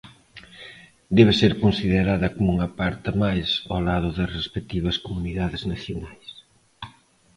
Debe ser considerada como unha parte máis ao lado das respectivas comunidades nacionais.